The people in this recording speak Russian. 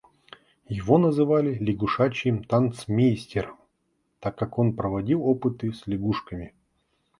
Его называли лягушачьим танцмейстером, так как он производил опыты с лягушками.